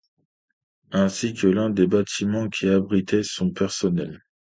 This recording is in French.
Ainsi que l'un des bâtiments qui abritaient son personnel.